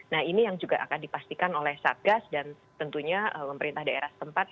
nah ini yang juga akan dipastikan oleh satgas dan tentunya pemerintah daerah tempat